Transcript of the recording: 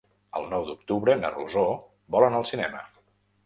El nou d'octubre na Rosó vol anar al cinema.